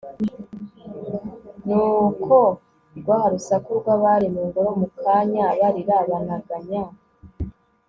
nuko rwa rusaku rw'abari mu ngoro mu kanya barira banaganya